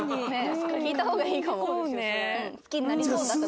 聞いた方がいいかも。